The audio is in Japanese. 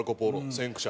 先駆者。